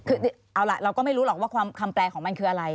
คือเอาล่ะเราก็ไม่รู้หรอกว่าความแปลของมันคืออะไร